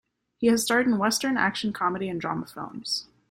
He has starred in western, action, comedy, and drama films.